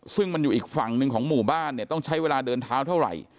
ซึ่งมันอยู่อีกฝั่งหนึ่งของหมู่บ้านเนี่ยต้องใช้เวลาเดินเท้าเท่าไหร่